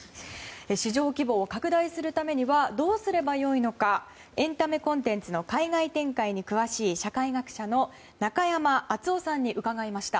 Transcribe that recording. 市場規模を拡大するためにはどうすればよいのかエンタメコンテンツの海外展開に詳しい社会学者の中山淳雄さんに伺いました。